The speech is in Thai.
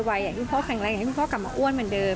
อยากให้คุณพ่อแข็งแรงอยากให้คุณพ่อกลับมาอ้วนเหมือนเดิม